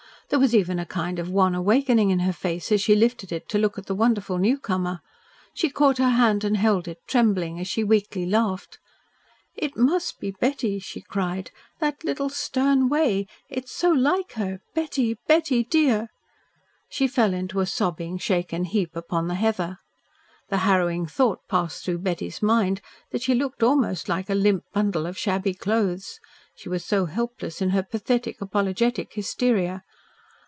There was even a kind of wan awakening in her face, as she lifted it to look at the wonderful newcomer. She caught her hand and held it, trembling, as she weakly laughed. "It must be Betty," she cried. "That little stern way! It is so like her. Betty Betty dear!" She fell into a sobbing, shaken heap upon the heather. The harrowing thought passed through Betty's mind that she looked almost like a limp bundle of shabby clothes. She was so helpless in her pathetic, apologetic hysteria.